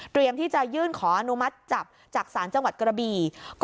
เตรียมที่จะยื่นขออธิบายจับจากศาลจังหวัดกระบี